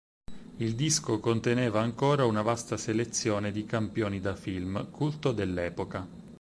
Il disco conteneva ancora una vasta selezione di campioni da film culto dell'epoca.